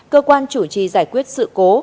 cơ quan chủ trì giải quyết sự cố